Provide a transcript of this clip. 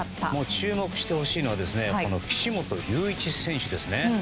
注目してほしいのは岸本隆一選手ですね。